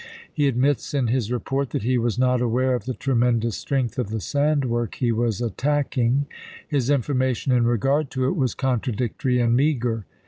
He admits in his report that he was not aware of the tremendous strength of the sand work he was attacking; his information in regard to it was contradictory and ibid. meager.